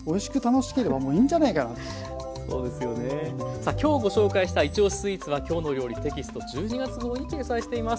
さあ今日ご紹介した「いちおしスイーツ」は「きょうの料理」テキスト１２月号に掲載しています。